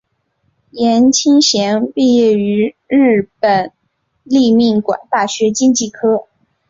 颜钦贤毕业于日本立命馆大学经济科。